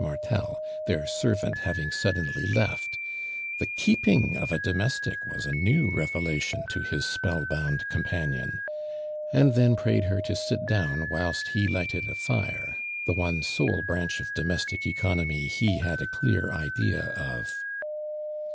Martel, their servant having suddenly left — the keeping of a domestic was a new re velation to his spellbound companion — and then prayed her to sit down whilst lie lighted a tire, the one solo branch of do mestic economy he had a clear idea of.